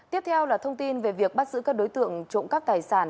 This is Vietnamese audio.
tiếp theo là thông tin về việc bắt giữ các đối tượng trộm cắp tài sản